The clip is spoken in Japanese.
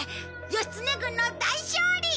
義経軍の大勝利！